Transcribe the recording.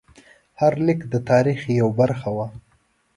هر لیک د تاریخ یوه برخه وه.